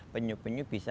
penyu juga tidak bisa